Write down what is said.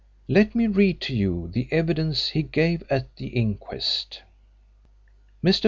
Let me read to you the evidence he gave at the inquest." Mr.